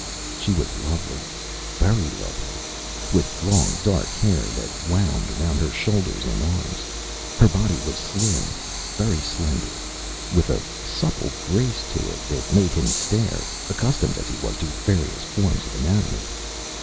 She was lovely, very lovely, with long dark hair that wound around her shoulders and arms. Her body was slim, very slender, with a supple grace to it that made him stare, accustomed as he was to various forms of anatomy.